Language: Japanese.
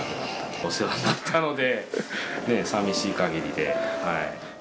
お世話になったので、さみしいかぎりで。